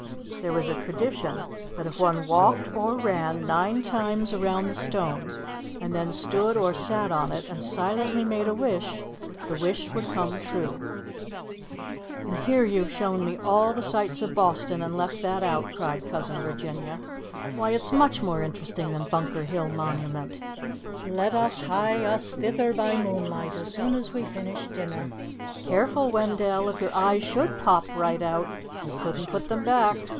There was a tradition that if one walked or ran nine times around the stone and then stood or sat on it and silently made a wish, the wish would come true." [A] Winsor's Memorial History of Boston, vol. I., p. 554. "And here you've shown me all the sights of Boston and left that out!" cried Cousin Virginia. "Why, it's much more interesting than Bunker Hill Monument. Let us hie us thither by moonlight as soon as we finish dinner. Careful, Wendell; if your eyes should pop right out, you couldn't put them back."